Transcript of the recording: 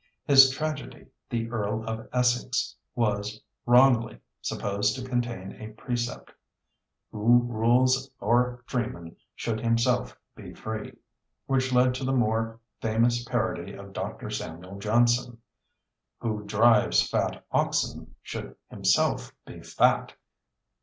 His tragedy, The Earl of Essex, was, wrongly, supposed to contain a precept, "Who rules o'er freemen should himself be free," which led to the more famous parody of Dr. Samuel Johnson, "Who drives fat oxen should himself be fat."